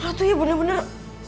wah ratunya bener bener